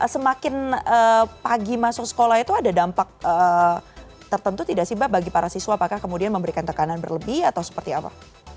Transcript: semakin pagi masuk sekolah itu ada dampak tertentu tidak sih mbak bagi para siswa apakah kemudian memberikan tekanan berlebih atau seperti apa